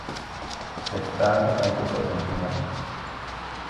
Peth da fyddai gwybod hynny hefyd!